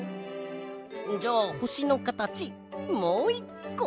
じゃあほしのかたちもういっこ。